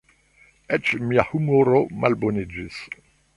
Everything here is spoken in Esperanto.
Eĉ mia humoro malboniĝis.